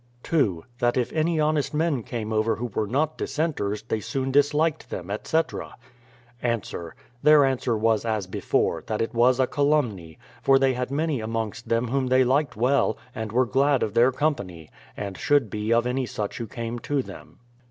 2. That if any honest men came over who were not dissenters, they soon disliked them, etc. Ans: Their answer was as before, that it was a calumny, for they had many amongst them M'hom they liked well, and were glad of their company; and should be of any such who came to them.